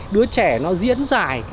đứa trẻ nó diễn giải